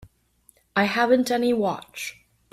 I haven't any watch.